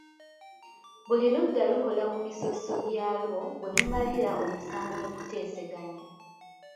Buli ludda lukola ku misoso gyalwo bwe mumalira omusango mu kuteesaganya.